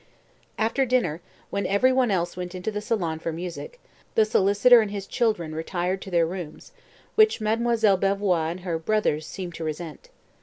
After dinner, when every one else went into the salon for music, the solicitor and his children retired to their rooms, which Mademoiselle Belvoir and her brothers seemed to resent.